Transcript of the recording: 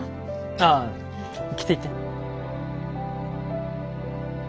ああ着ていって。